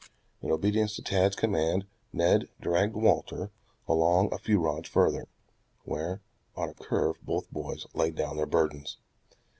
In obedience to Tad's command, Ned dragged Walter along a few rods further, where on a curve both boys laid down their burdens.